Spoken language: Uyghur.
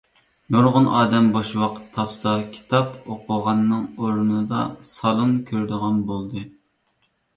نۇرغۇن ئادەم بوش ۋاقىت تاپسا كىتاپ ئوقۇغاننىڭ ئورنىدا سالۇن كۆرىدىغان بولدى.